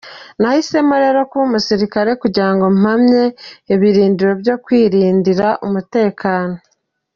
Nahisemo rero kuba umusirikare kugirango mpamye ibirindiro byo kwirindira umutekano.